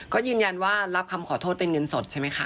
ก็ยืนยันว่ารับคำขอโทษเป็นเงินสดใช่ไหมคะ